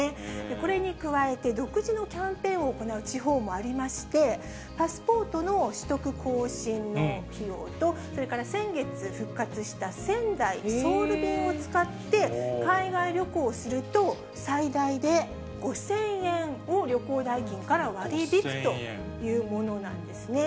これに加えて、独自のキャンペーンを行う地方もありまして、パスポートの取得・更新の費用と、それから先月復活した仙台・ソウル便を使って海外旅行をすると、最大で５０００円を、旅行代金から割り引くというものなんですね。